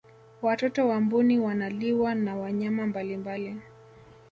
watoto wa mbuni wanaliwa na wanyama mbalimbali